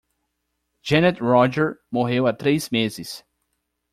Janet Roger morreu há três meses.